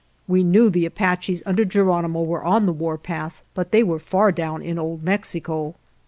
We knew the Apaches under Geronimo were on the warpath, but they were far down in Old Mexico.